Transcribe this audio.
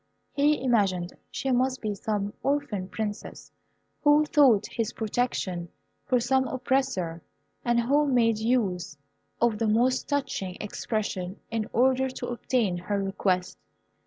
He imagined she must be some orphan Princess, who sought his protection from some oppressor, and who made use of the most touching expression in order to obtain her request.